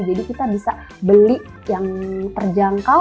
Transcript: jadi kita bisa beli yang terjangkau